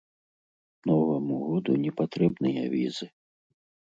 Новаму году не патрэбныя візы.